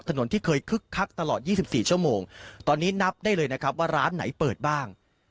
ถนนที่เคยคึกคักตลอด๒๔ชั่วโมงตอนนี้นับได้เลยนะครับว่าร้านไหนเปิดบ้าง